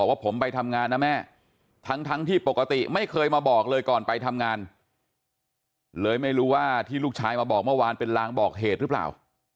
ว่าที่ลูกชายมาบอกเมื่อวานเป็นรางบอกเหตุหรือเปล่า